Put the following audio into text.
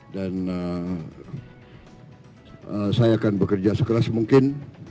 dan saya akan bekerja sekelas mungkin